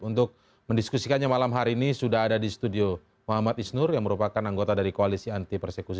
untuk mendiskusikannya malam hari ini sudah ada di studio muhammad isnur yang merupakan anggota dari koalisi anti persekusi